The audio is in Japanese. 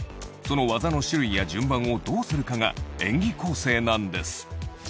その技の種類や順番をどうするかが演技構成なんです。